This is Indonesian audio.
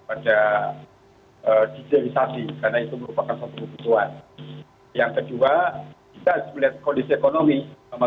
pertama bahwa pada dasarnya pedagang itu kalau dalam posisi usahanya bagus tentunya kita akan memberikan